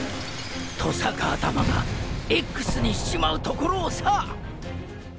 トサカ頭が“Ｘ”にしちまうところをさ！